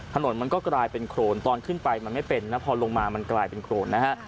ถนนมันก็กลายเป็นโครนตอนขึ้นไปมันไม่เป็นนะพอลงมามันกลายเป็นโครนนะฮะ